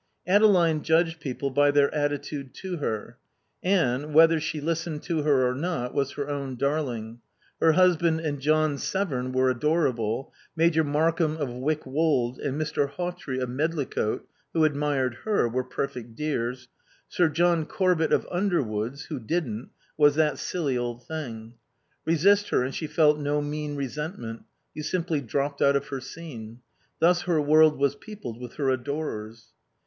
Adeline judged people by their attitude to her. Anne, whether she listened to her or not, was her own darling. Her husband and John Severn were adorable, Major Markham of Wyck Wold and Mr. Hawtrey of Medlicote, who admired her, were perfect dears, Sir John Corbett of Underwoods, who didn't, was that silly old thing. Resist her and she felt no mean resentment; you simply dropped out of her scene. Thus her world was peopled with her adorers.